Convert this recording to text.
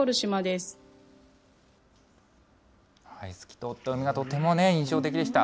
透き通った海がとても印象的でした。